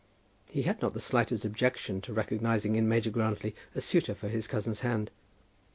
He had not the slightest objection to recognizing in Major Grantly a suitor for his cousin's hand.